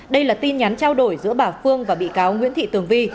đây là tin nhắn trao đổi giữa bà phương và bị cáo nguyễn thị tường vi